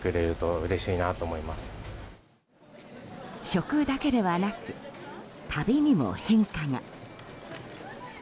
食だけではなく旅にも変化が。